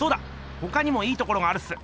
ほかにもいいところがあるっす。